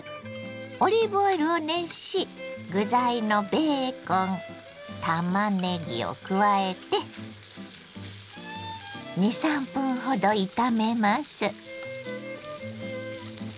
オリーブオイルを熱し具材のベーコンたまねぎを加えて２３分ほど炒めます。